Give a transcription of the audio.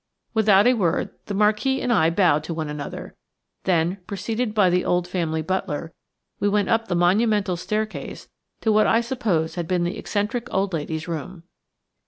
Without a word the Marquis and I bowed to one another, then, preceded by the old family butler, we went up the monumental staircase to what I suppose had been the eccentric old lady's room.